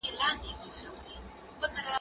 زه بايد موبایل کار کړم!.